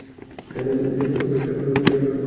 দেখো, ড্রপিয়র!